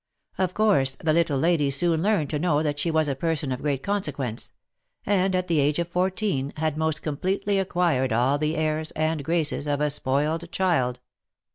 Of course, the little lady soon learned to know that she was a person of great consequence; and at the age of fourteen, had most completely acquired all the airs and graces of a spoiled child.